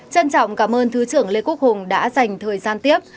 trân trọng cảm ơn thứ trưởng lê quốc hùng đã dành thời gian tiếp